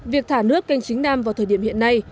việc thả nước canh chính nam vào thời điểm hiện nay